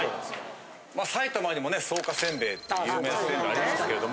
埼玉にもね草加せんべいって有名なせんべいありますけれども。